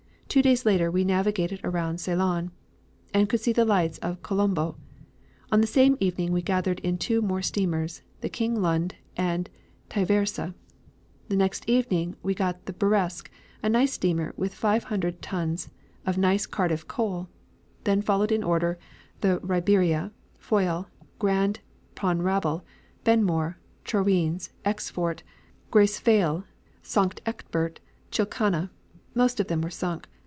Two days later we navigated around Ceylon, and could see the lights of Colombo. On the same evening we gathered in two more steamers, the King Lund, and Tywerse. The next evening we got the Burresk, a nice steamer with 500 tons of nice Cardiff coal. Then followed in order, the Ryberia, Foyle, Grand Ponrabbel, Benmore, Troiens, Exfort, Graycefale, Sankt Eckbert, Chilkana. Most of them were sunk.